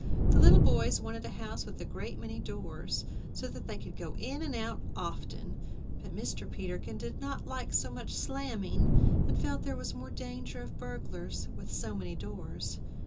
The little boys wanted a house with a great many doors, so that they could go in and out often. But Mr. Peterkin did not like so much slamming, and felt there was more danger of burglars with so many doors.